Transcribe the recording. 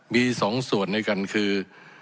มีสองส่วนในกันคือ